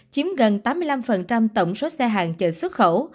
chiếm gần tám mươi năm tổng số xe hàng chờ xuất khẩu